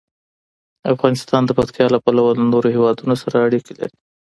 افغانستان د پکتیا له پلوه له نورو هېوادونو سره اړیکې لري.